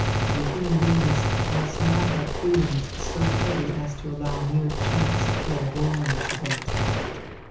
We human beings must not have feelings so petty as to allow mere chance to play a rôle in this event."